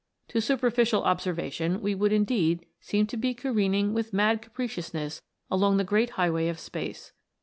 To superficial observation we would indeed seem to be careering with mad capricious ness along the great highway of space.